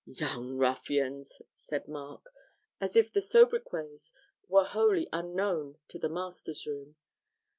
'Young ruffians!' said Mark, as if the sobriquets were wholly unknown to the masters' room.